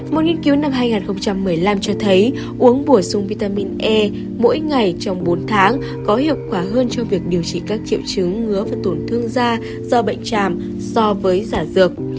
một nghiên cứu năm hai nghìn một mươi năm cho thấy uống bổ sung vitamin e mỗi ngày trong bốn tháng có hiệu quả hơn cho việc điều trị các triệu chứng ngứa và tổn thương da do bệnh tràm so với giả dược